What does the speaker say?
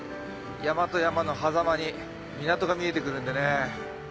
山と山のはざまに港が見えてくるんでね。